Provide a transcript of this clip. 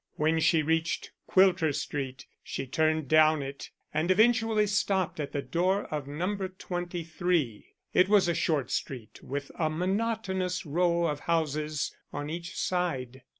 When she reached Quilter Street she turned down it, and eventually stopped at the door of No. 23. It was a short street with a monotonous row of houses on each side.